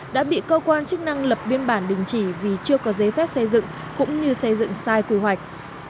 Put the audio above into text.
đã bị cơ quan chức năng lập biên bản đình chỉ vì chưa có giấy phép xây dựng cũng như xây dựng sai quy hoạch